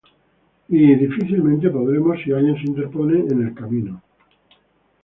Y difícilmente podremos si alguien se interpone en el camino.